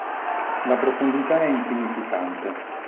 La profondità è insignificante.